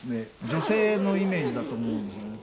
女性のイメージだと思うんですよね。